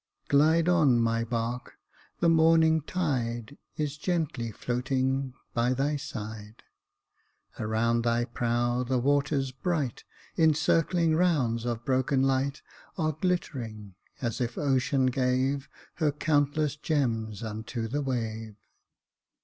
" Glide on my bark, the morning tide Is gently floating by thy side ; Around thy prow the waters bright, In circling rounds of broken light, Are glittering, as if ocean gave Her countless gems unto the wave.